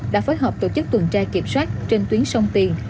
đã phối hợp tổ chức tuần tra kiểm soát trên tuyến sông tiền